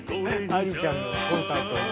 愛理ちゃんのコンサートでやりそう。